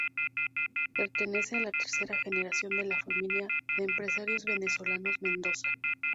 Pertenece a la tercera generación de la familia de empresarios venezolanos Mendoza.